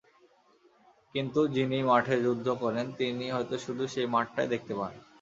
কিন্তু যিনি মাঠে যুদ্ধ করেন, তিনি হয়তো শুধু সেই মাঠটাই দেখতে পান।